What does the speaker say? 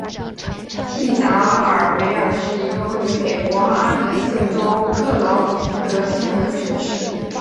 锡达尔维尔是一个位于美国阿肯色州克劳福德县的城市。